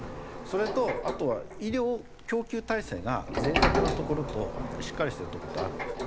それとあとは医療供給体制が脆弱なところとしっかりしてるところとあるんです。